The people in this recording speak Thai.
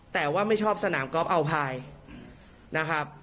แต่ว่าไม่ชอบสนามกอล์อัลพายนะครับ